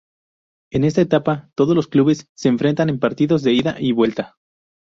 En esta etapa, todos los clubes se enfrentan en partidos de ida y vuelta.